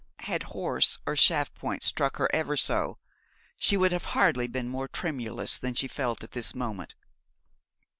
Had horse or shaft point struck her ever so, she would have hardly been more tremulous than she felt at this moment.